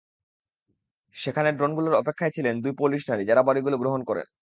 সেখানে ড্রোনগুলোর অপেক্ষায় ছিলেন দুই পোলিশ নারী, যাঁরা বড়িগুলো গ্রহণ করেন।